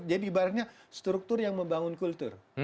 jadi barisnya struktur yang membangun kultur